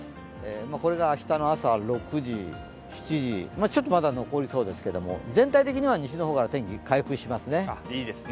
これが明日の朝６時、７時、ちょっとまだ残りそうですが全体的には西の方から天気回復しますね。